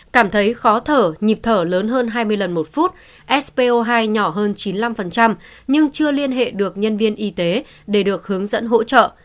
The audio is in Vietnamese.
cảm thấy khó thở nhịp thở lớn hơn hai mươi lần một phút spo hai nhỏ hơn chín mươi năm nhưng chưa liên hệ được nhân viên y tế để được hướng dẫn hỗ trợ